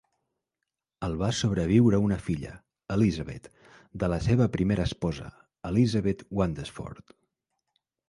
El va sobreviure una filla, Elizabeth, de la seva primera esposa, Elizabeth Wandesford.